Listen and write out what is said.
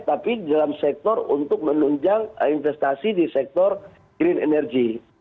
tapi di dalam sektor untuk menunjang investasi di sektor green energy